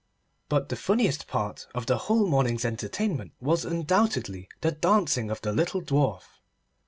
But the funniest part of the whole morning's entertainment, was undoubtedly the dancing of the little Dwarf.